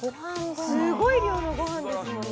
すごい量のご飯ですもんね。